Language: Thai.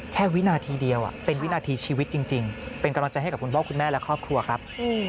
วินาทีเดียวเป็นวินาทีชีวิตจริงเป็นกำลังใจให้กับคุณพ่อคุณแม่และครอบครัวครับ